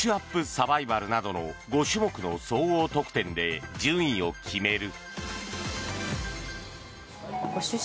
サバイバルなどの５種目の総合得点で順位を決める。